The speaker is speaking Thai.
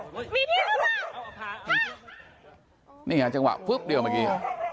มีทีละป่ะนี่ฮะจังหวะพึ๊บเดียวเมื่อกี้